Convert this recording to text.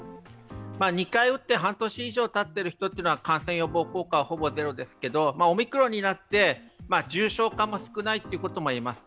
２回打って半年以上立っている人は感染予防効果はほぼゼロですけれどもオミクロンになって重症化も少ないということも言えます。